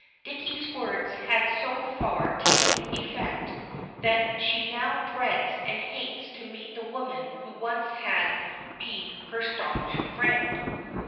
Dicky's words had so far taken effect that she now dreads and hates to meet the woman who once had been her stanch friend.